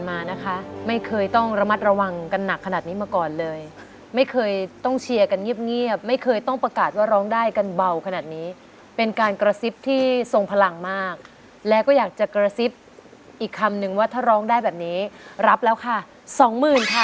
มานะคะไม่เคยต้องระมัดระวังกันหนักขนาดนี้มาก่อนเลยไม่เคยต้องเชียร์กันเงียบไม่เคยต้องประกาศว่าร้องได้กันเบาขนาดนี้เป็นการกระซิบที่ทรงพลังมากแล้วก็อยากจะกระซิบอีกคำนึงว่าถ้าร้องได้แบบนี้รับแล้วค่ะสองหมื่นค่ะ